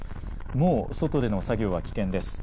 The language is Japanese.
もう外での作業は危険です。